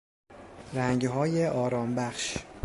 رنگهای آرامبخش